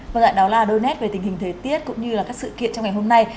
và lại đó là đôi nét về tình hình thế tiết cũng như là các sự kiện trong ngày hôm nay